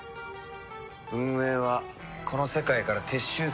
運営はこの世界から撤収する気らしい。